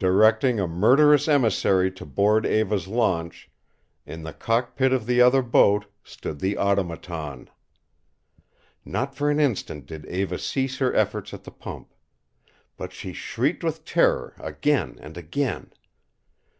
Directing a murderous emissary to board Eva's launch, in the cockpit of the other boat stood the Automaton! Not for an instant did Eva cease her efforts at the pump. But she shrieked with terror again and again.